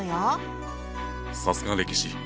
さすが歴史！